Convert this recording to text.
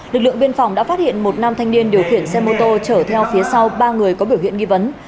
lực lượng biên phòng đã phát hiện một nam thanh niên điều khiển xe mô tô chở theo phía sau ba người có biểu hiện nghi vấn